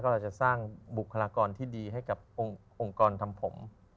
เราจะสร้างบุคลากรที่ดีให้กับองค์กรทำผม